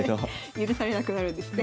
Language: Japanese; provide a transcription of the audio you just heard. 許されなくなるんですね。